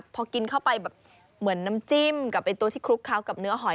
พอกินเข้าไปแบบเหมือนน้ำจิ้มกับตัวที่คลุกเคล้ากับเนื้อหอย